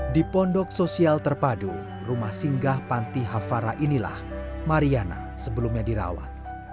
di pondok sosial terpadu rumah singgah panti hafara inilah mariana sebelumnya dirawat